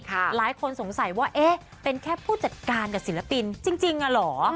หลายคนสงสัยว่าเอ๊ะเป็นแค่ผู้จัดการกับศิลปินจริงอ่ะเหรอ